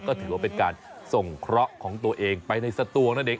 ก็ถือว่าเป็นการส่งเคราะห์ของตัวเองไปในสตวงนั่นเอง